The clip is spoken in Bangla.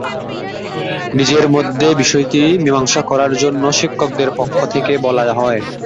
নিজেদের মধ্যে বিষয়টি মীমাংসা করার জন্য শিক্ষকদের পক্ষ থেকে বলা হয়।